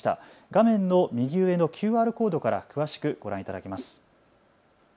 画面の右上のＱＲコードから詳しくご覧いただけます。